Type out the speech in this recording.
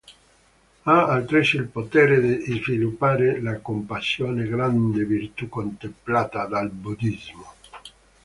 Ha altresì il potere di sviluppare la compassione, grande virtù contemplata dal Buddhismo.